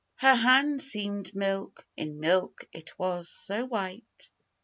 Her hand seem'd milk, in milk it was so white.